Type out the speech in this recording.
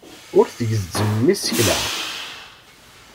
Ur tgezzem isekla.